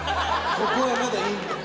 ここはまだいいんだ。